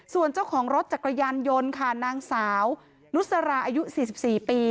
ส่วนเจ้าของรถจักรยานยนต์ค่ะนางสาวนุสราอายุ๔๔ปี